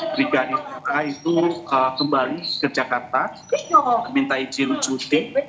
brigadir ra itu kembali ke jakarta memintai ciru cutik